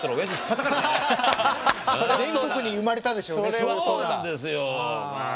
そうなんですよ。